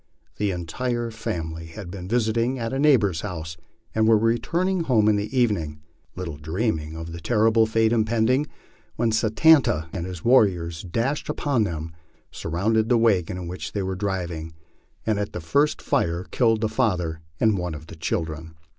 The entire family had been visiting at a neighbor's house, and were returning home in the evening, little dreaming of the terrible fate impending, when Satanta and his warriors dashed upon them, surrounded the wagon in which they were driving, and at the first fire killed the father and one of the children.